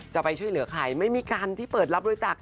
จะไปช่วยเหลือใครไม่มีการที่เปิดรับบริจาค